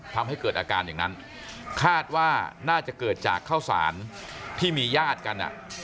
ทำให้เกิดอาการอย่างนั้นคาดว่าน่าจะเกิดจากข้าวสารที่มีญาติกัน